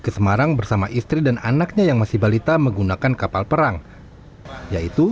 ke semarang bersama istri dan anaknya yang masih balita menggunakan kapal perang yaitu